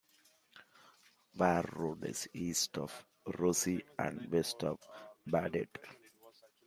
Warroad is east of Roseau and west of Baudette.